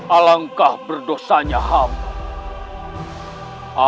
alangkah berdosanya hamba